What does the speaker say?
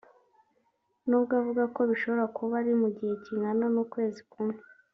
n’ubwo avuga ko bishobora kuba ari mu gihe kingana n’ukwezi kumwe